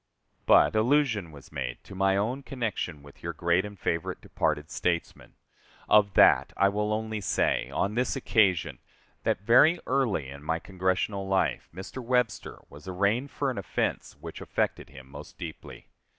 But allusion was made to my own connection with your great and favorite departed statesman. Of that I will only say, on this occasion, that very early in my Congressional life Mr. Webster was arraigned for an offense which affected him most deeply.